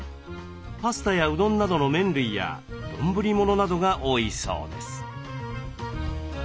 パスタやうどんなどの麺類や丼物などが多いそうです。